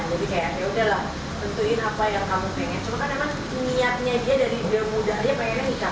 jadi kayak ya udahlah tentuin apa yang kamu pengen cuman emang niatnya dia dari dia muda